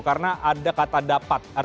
karena ada kata dapat